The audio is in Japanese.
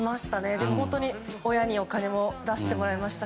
でも、親にお金を出してもらいました。